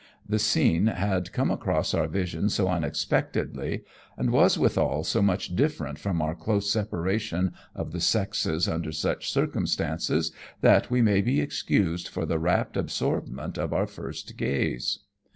The scene had come across our vision so unexpectedly, and was withal so much different from our close separation of the sexes under such circumstances, that we may be excused for the rapt absorbment of our first gaze.